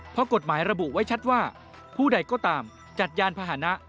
เพราะกฎหมายระบุไว้ชัดว่าผู้ใดก็ตามจัดยานพาหนะ